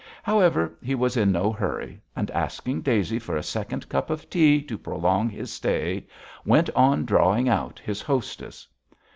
However, he was in no hurry; and, asking Daisy for a second cup of tea to prolong his stay, went on drawing out his hostess.